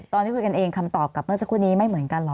ตอนที่คุยกันเองคำตอบกับเมื่อสักครู่นี้ไม่เหมือนกันเหรอ